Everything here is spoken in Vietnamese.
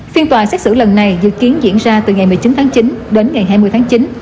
phiên tòa xét xử lần này dự kiến diễn ra từ ngày một mươi chín tháng chín đến ngày hai mươi tháng chín